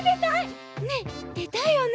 ねえでたいよね？